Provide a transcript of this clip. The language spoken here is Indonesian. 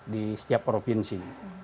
di setiap provinsi